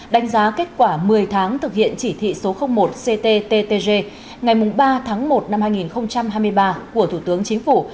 đánh giá kết quả một mươi tháng thực hiện chỉ thị số một cttg ngày ba tháng một năm hai nghìn hai mươi ba của thủ tướng chính phủ